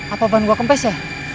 apa bahan gue kempes ya